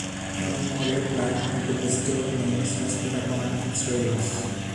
A memorial plaque with the bestowed names was put up on its railings.